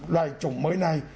loại chủng mới này